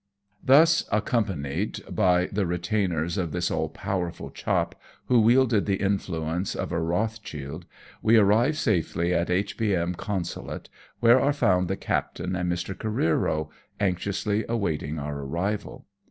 Thus accompanied by the retainers of this all powerful chop, who wielded the influence of a Roth schild, we arrived safely at H.B.M. Consulate, where are found the captain and Mr. Oareero anxiously waiting our arrival.